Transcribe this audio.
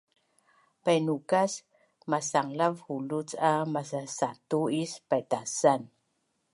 Painukas masanglav huluc a masasatu is paitasan